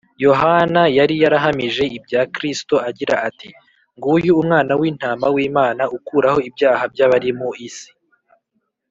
yohana yari yarahamije ibya kristo agira ati: ‘nguyu umwana w’intama w’imana, ukuraho ibyaha by’abari mu isi